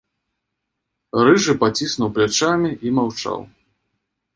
Рыжы паціснуў плячамі і маўчаў.